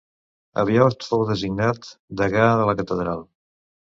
Aviat fou designat degà de la catedral.